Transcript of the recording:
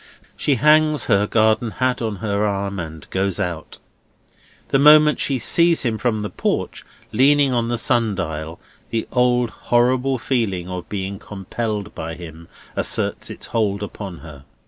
She hangs her garden hat on her arm, and goes out. The moment she sees him from the porch, leaning on the sun dial, the old horrible feeling of being compelled by him, asserts its hold upon her.